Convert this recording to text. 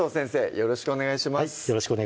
よろしくお願いします